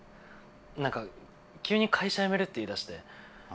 何か急に会社辞めるって言いだして。